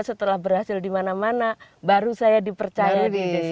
setelah berhasil di mana mana baru saya dipercaya di desa